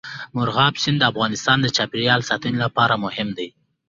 مورغاب سیند د افغانستان د چاپیریال ساتنې لپاره مهم دي.